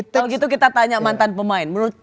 betul gitu kita tanya mantan pemain